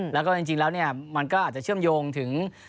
แล้วก็จริงแล้วเนี่ยมันก็อาจจะเชื่อมโยงถึง